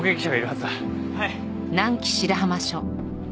はい。